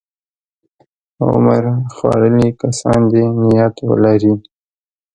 عمر خوړلي کسان دې نیت ولري.